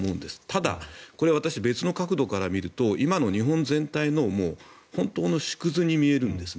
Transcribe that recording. ただ、これは私、別の角度から見ると今の日本全体の本当の縮図に見えるんです。